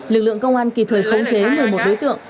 lực lượng công an kịp thời khống chế một mươi một đối tượng